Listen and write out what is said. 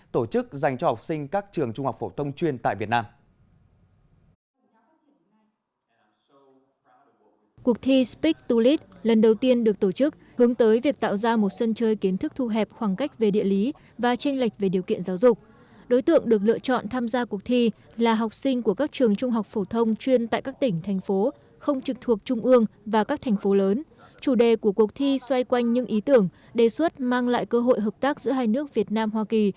tổ chức dành cho học sinh các trường trung học phổ thông chuyên tại việt nam